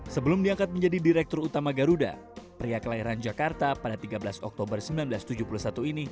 sebelum diangkat menjadi direktur utama garuda pria kelahiran jakarta pada tiga belas oktober seribu sembilan ratus tujuh puluh satu ini